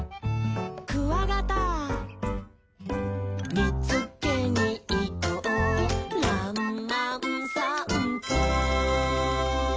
「みつけにいこうらんまんさんぽ」